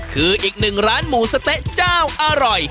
คืออีกหนึ่งร้านหมูสะเต๊ะเจ้าอร่อย